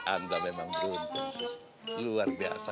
anda memang beruntung luar biasa